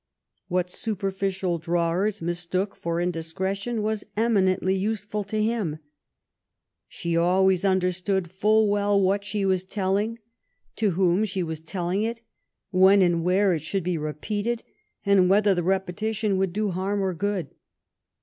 What superficial drawers mistook for indiscre tion was eminently useful to him. She always understood full well what she was telling, to whom she was telling THE QUADBILATEBAL ALLIANCE. 81 itj when and where it should he repeated, and whether the repetition would do harm or good.